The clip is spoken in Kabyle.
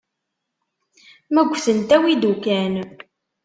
Ma ggtent awi-d ukan.